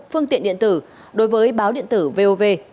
phương tiện điện tử đối với báo điện tử vov